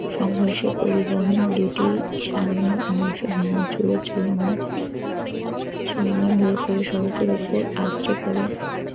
সংঘর্ষে পরিবহন দুটির সামনের অংশ ভেঙে চুরমার হয়ে সড়কের ওপর আছড়ে পড়ে।